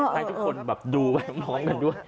ให้ทุกคนดูมองกันด้วย